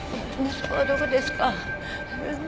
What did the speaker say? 息子はどこですか？